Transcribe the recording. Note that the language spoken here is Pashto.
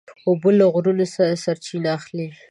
اوبه له غرونو سرچینه اخلي.